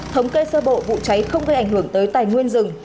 thống kê sơ bộ vụ cháy không gây ảnh hưởng tới tài nguyên rừng